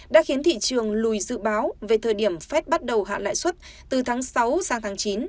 đã khiến thị trường lùi dự báo về thời điểm phép bắt đầu hạ lãi suất từ tháng sáu sang tháng chín